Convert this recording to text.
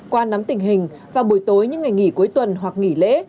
qua nắm tình hình vào buổi tối những ngày nghỉ cuối tuần hoặc nghỉ lễ